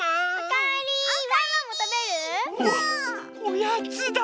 おやつだ！